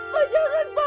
pak jangan pak